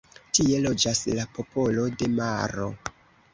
Tie loĝas la popolo de maro.